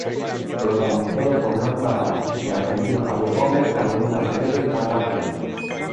Protagonizada por Lorna Paz, el argentino Javier Gómez, Carolina Acevedo y Carla Giraldo.